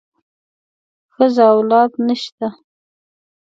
ښځه او اولاد نشته.